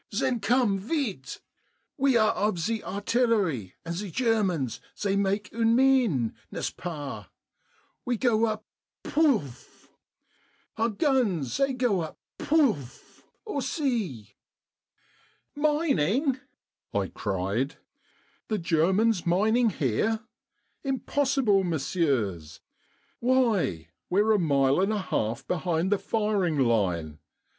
" Then come vite, s'il vous plait. We are of ze artillery, and ze Germans zey make une mine, n'est ce pas ? We go up Pouff. Our guns zey go up Pouff — aussi." " Mining," I cried, " the Germans mining here ! Impossible, messieurs. Why, we're a mile and a half behind the firing line."